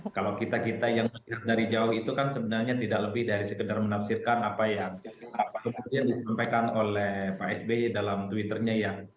kalau kita kita yang melihat dari jauh itu kan sebenarnya tidak lebih dari sekedar menafsirkan apa yang disampaikan oleh pak sby dalam twitternya ya